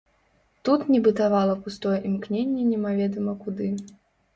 Тут не бытавала пустое імкненне немаведама куды.